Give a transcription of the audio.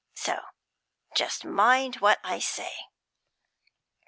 So just mind what I say.'